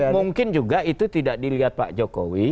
mungkin juga itu tidak dilihat pak jokowi